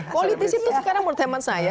politis itu sekarang menurut teman saya